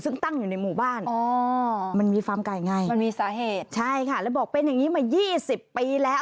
ซึ่งตั้งอยู่ในหมู่บ้านอ๋อมันมีฟาร์มไก่ไงมันมีสาเหตุใช่ค่ะแล้วบอกเป็นอย่างนี้มา๒๐ปีแล้ว